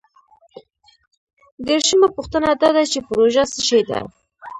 دیرشمه پوښتنه دا ده چې پروژه څه شی ده؟